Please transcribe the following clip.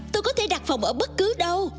tôi có thể đặt phòng ở bất cứ đâu